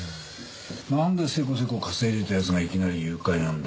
なんでせこせこ稼いでた奴がいきなり誘拐なんだ？